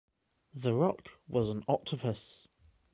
The rock was an octopus.